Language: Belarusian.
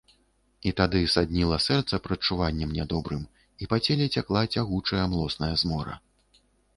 І тады садніла сэрца прадчуваннем нядобрым, і па целе цякла цягучая, млосная змора.